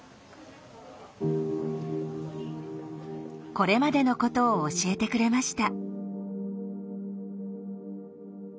これまでのことを教えてくれました。